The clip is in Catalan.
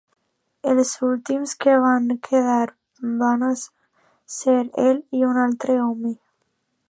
Els últims que van quedar van ser ell i un altre home.